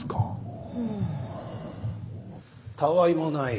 たわいもない。